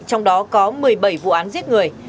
trong đó có một mươi bảy vụ án giết người